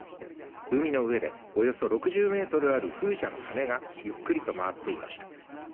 海の上で、およそ６０メートルある風車の羽根がゆっくりと回っていました。